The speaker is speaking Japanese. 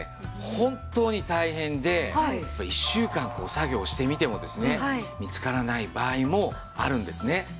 本当に大変で１週間作業をしてみてもですね見つからない場合もあるんですね。